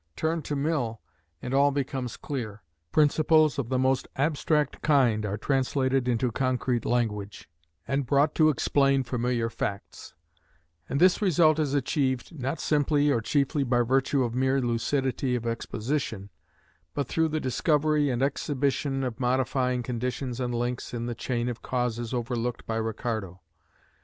Turn to Mill, and all becomes clear. Principles of the most abstract kind are translated into concrete language, and brought to explain familiar facts; and this result is achieved, not simply or chiefly by virtue of mere lucidity of exposition, but through the discovery and exhibition of modifying conditions and links in the chain of causes overlooked by Ricardo.